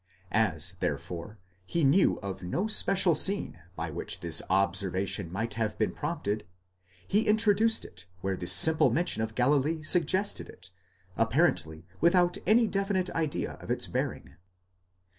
As, therefore, he knew of no special scene by which this observation might have been prompted, he introduced it where the simple mention of Galilee suggested it, apparently without any definite idea of its bearing.